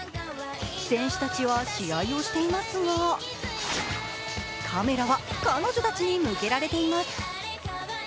選手たちは試合をしていますが、カメラは彼女たちに向けられています。